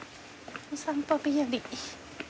お散歩日和。